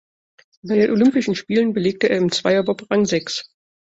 Bei den Olympischen Spielen belegte er im Zweierbob Rang sechs.